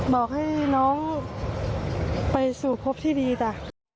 บอกให้น้องไปสู่พบที่ดีจ้ะ